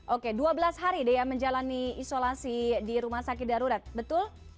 oke dua belas hari daya menjalani isolasi di rumah sakit darurat betul